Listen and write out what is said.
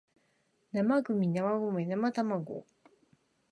なまむぎなまごめなまたまご